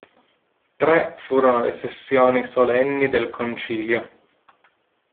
Tre furono le sessioni solenni del concilio.